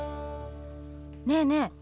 ねえねえ